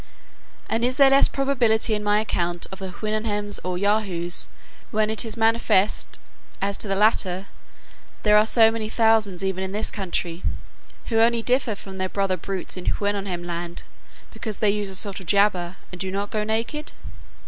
And is there less probability in my account of the Houyhnhnms or Yahoos, when it is manifest as to the latter, there are so many thousands even in this country, who only differ from their brother brutes in Houyhnhnmland, because they use a sort of jabber, and do not go naked?